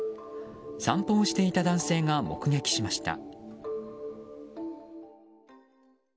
散歩としていた男性が目撃しました。